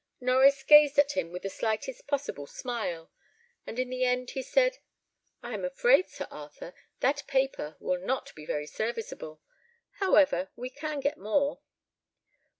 Norries gazed at him with the slightest possible smile; and in the end he said, "I am afraid, Sir Arthur, that paper will not be very serviceable; however, we can get more."